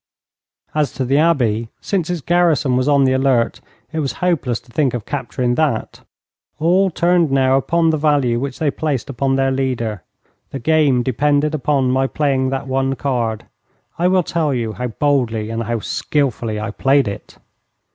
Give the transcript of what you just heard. As to the Abbey, since its garrison was on the alert it was hopeless to think of capturing that. All turned now upon the value which they placed upon their leader. The game depended upon my playing that one card. I will tell you how boldly and how skilfully I played it.